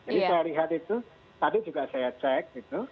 jadi saya lihat itu tadi juga saya cek